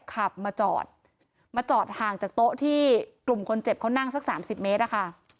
ขับมาจอดมาจอดห่างจากโต๊ะที่กลุ่มคนเจ็บเขานั่งสักสามสิบเมตรอะค่ะ